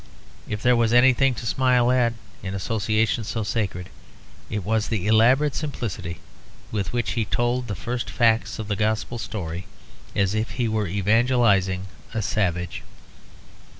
If there was anything to smile at, in associations so sacred, it was the elaborate simplicity with which he told the first facts of the Gospel story, as if he were evangelising a savage.